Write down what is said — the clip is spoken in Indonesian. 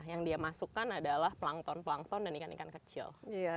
yang dia masukkan adalah pelangkong pelangkong dan ikan ikan kecil